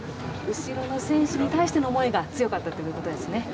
後ろの選手に対しての思いが強かったということですね？